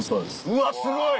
うわすごい！